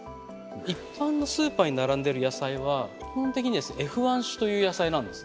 一般のスーパーに並んでる野菜は基本的にＦ１種という野菜なんです。